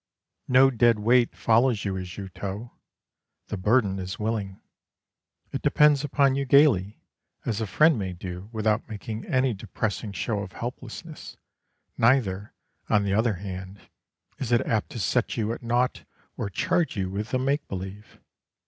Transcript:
No dead weight follows you as you tow. The burden is willing; it depends upon you gaily, as a friend may do without making any depressing show of helplessness; neither, on the other hand, is it apt to set you at naught or charge you with a make believe.